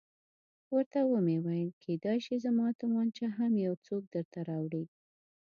ورته ومې ویل کېدای شي زما تومانچه هم یو څوک درته راوړي.